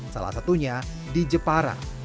salah satunya di jepara